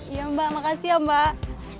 iya mbak makasih ya mbak